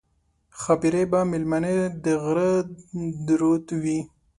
ښاپېرۍ به مېلمنې د غره د رود وي